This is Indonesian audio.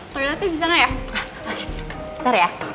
toiletnya disana ya